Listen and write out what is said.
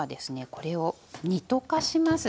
これを煮溶かします。